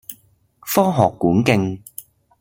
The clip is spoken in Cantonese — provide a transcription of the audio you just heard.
科學館徑